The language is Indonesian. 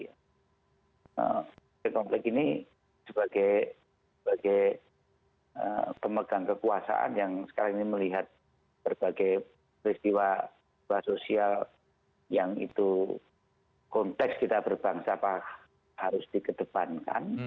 konflik ini sebagai pemegang kekuasaan yang sekarang ini melihat berbagai peristiwa sosial yang itu konteks kita berbangsa harus dikedepankan